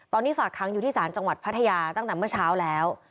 ตอนนี้ฝากค้างอยู่ที่ศาลจังหวัดพัทยาตั้งแต่เมื่อเช้าแล้ว